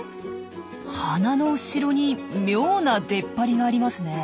花の後ろに妙な出っ張りがありますねえ。